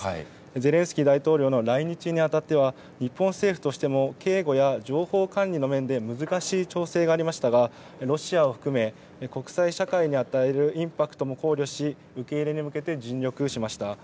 ゼレンスキー大統領の来日にあたっては、日本政府としても警護や情報管理の面で難しい調整がありましたが、ロシアを含め、国際社会に与えるインパクトも考慮し、受け入れに向けて尽力しました。